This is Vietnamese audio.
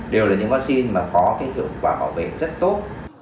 đều là những vaccine mà có cái hiệu quả bảo vệ rất tốt